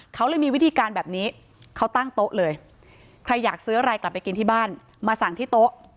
เขาเลยมีวิธีการแบบนี้เขาตั้งโต๊ะเลยใครอยากซื้ออะไรกลับไปกินที่บ้านมาสั่งที่โต๊ะ